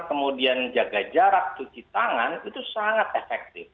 kemudian jaga jarak cuci tangan itu sangat efektif